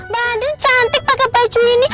badan cantik pakai baju ini